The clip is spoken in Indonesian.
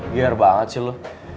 biar banget sih lo